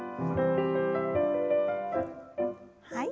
はい。